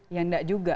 yang tidak juga